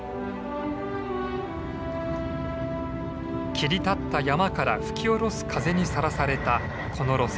切り立った山から吹き下ろす風にさらされたこの路線。